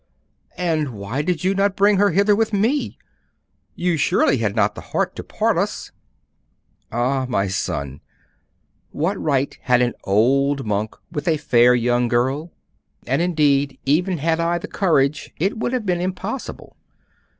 'And why did you not bring her hither with me? You surely had not the heart to part us?' 'Ah, my son, what right had an old monk with a fair young girl? And, indeed, even had I had the courage, it would have been impossible.